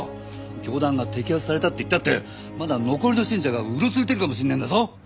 教団が摘発されたっていったってまだ残りの信者がうろついてるかもしれねえんだぞ？